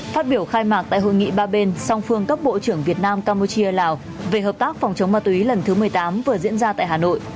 phát biểu khai mạc tại hội nghị ba bên song phương cấp bộ trưởng việt nam campuchia lào về hợp tác phòng chống ma túy lần thứ một mươi tám vừa diễn ra tại hà nội